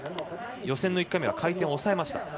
予選の１回目は回転を抑えました。